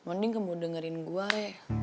mending kamu dengerin gua ye